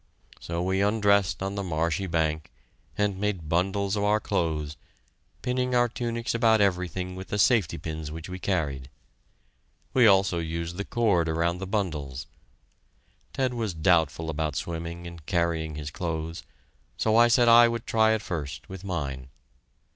So we undressed on the marshy bank and made bundles of our clothes, pinning our tunics about everything with the safety pins which we carried. We also used the cord around the bundles. Ted was doubtful about swimming and carrying his clothes, so I said I would try it first, with mine.